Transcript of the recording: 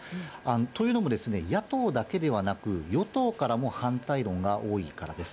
というのもですね、野党だけではなく、与党からも反対論が多いからです。